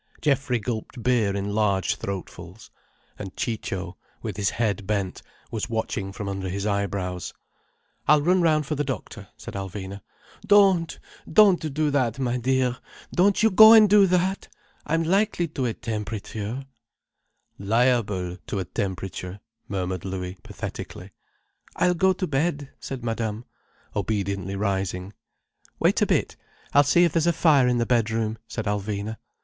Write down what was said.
Geoffrey gulped beer in large throatfuls, and Ciccio, with his head bent, was watching from under his eyebrows. "I'll run round for the doctor—" said Alvina. "Don't! Don't do that, my dear! Don't you go and do that! I'm likely to a temperature—" "Liable to a temperature," murmured Louis pathetically. "I'll go to bed," said Madame, obediently rising. "Wait a bit. I'll see if there's a fire in the bedroom," said Alvina.